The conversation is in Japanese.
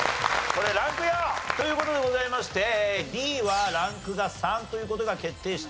これランク４。という事でございましてＤはランクが３という事が決定しております。